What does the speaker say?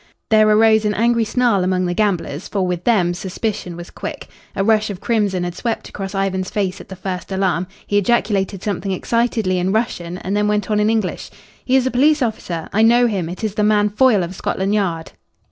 There arose an angry snarl among the gamblers, for with them suspicion was quick. A rush of crimson had swept across Ivan's face at the first alarm. He ejaculated something excitedly in Russian, and then went on in English "He is a police officer. I know him. It is the man Foyle of Scotland Yard."